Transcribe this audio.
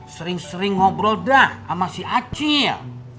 sering sering ngobrol dah sama si acil